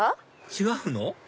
違うの？